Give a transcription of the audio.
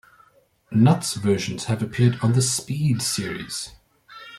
Nuts versions have appeared on the "Speed" series.